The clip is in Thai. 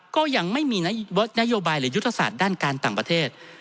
ก็ยังไม่มีนโยบายหรือยุทธศาสตร์ด้านการต่างประเทศ